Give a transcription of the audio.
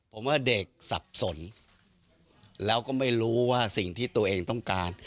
ผมว่าเด็กสับสนแล้วก็ไม่รู้ว่าสิ่งที่ตัวเองต้องการ